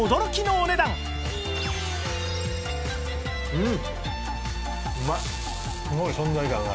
うん。